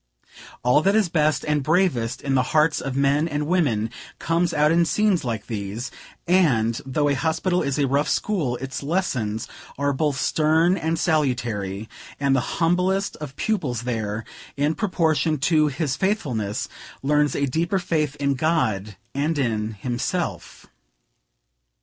All that is best and bravest in the hearts of men and women, comes out in scenes like these; and, though a hospital is a rough school, its lessons are both stern and salutary; and the humblest of pupils there, in proportion to his faithfulness, learns a deeper faith in God and in himself.